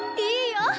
いいよ！